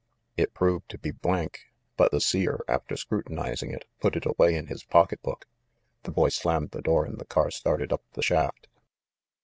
It proved to be blank; but the Seer, after scrutinizing it, put it away in his pocketbook. The boy slammed the door and the car started up the shaft.